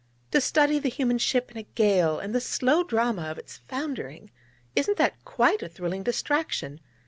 To study the human ship in a gale, and the slow drama of its foundering isn't that a quite thrilling distraction?